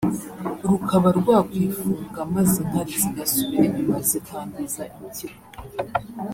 rukaba rwakwifunga maze inkari zigasubira inyuma zikangiza impyiko